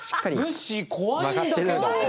ぬっしー怖いんだけど。